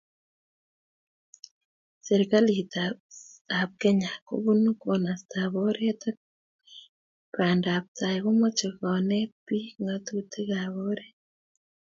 Serikalitab Kenya kobun konastab oret ak bandaptai komache konet bik ngatutikab oret